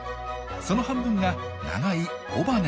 その半分が長い尾羽です。